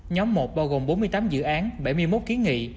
nhóm một bao gồm bốn mươi tám dự án bảy mươi một kiến nghị